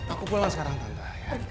aku pulang sekarang tante